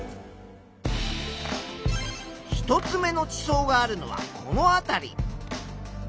１つ目の地層があるのはこの辺り。